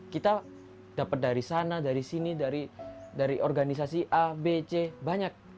kita dapat dari sana dari sini dari organisasi a b c banyak